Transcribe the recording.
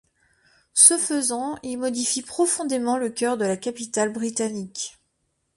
Ce faisant, il modifie profondément le cœur de la capitale britannique.